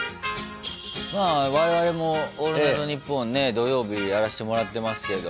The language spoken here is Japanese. まあ我々も「オールナイトニッポン」ね土曜日やらせてもらってますけど。